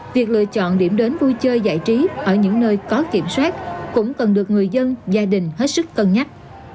việc lựa chọn điểm đến vui chơi giải trí ở những nơi có kiểm soát cũng cần được người dân gia đình hết sức cân nhắc